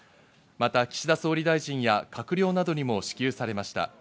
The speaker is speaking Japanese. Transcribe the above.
また岸田総理大臣や閣僚などにも支給されました。